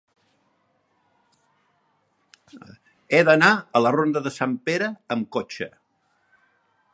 He d'anar a la ronda de Sant Pere amb cotxe.